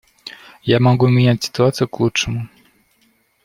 Я могу менять ситуацию к лучшему.